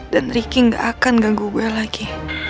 dan riki gak akan ganggu gue lagi